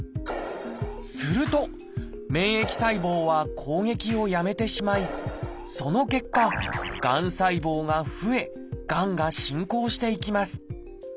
すると免疫細胞は攻撃をやめてしまいその結果がん細胞が増えがんが進行していきます。